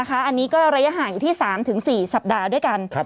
อันนี้ก็ระยะห่างอยู่ที่๓๔สัปดาห์ด้วยกัน